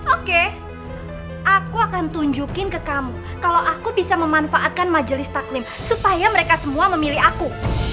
oke aku akan tunjukin ke kamu kalau aku bisa memanfaatkan majelis taklim supaya mereka semua memilih aku